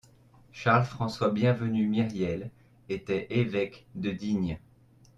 Charles-François-Bienvenu Myriel était évêque de Digne.